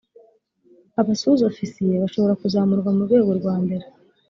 abasuzofisiye bashobora kuzamurwa mu rwego rwambere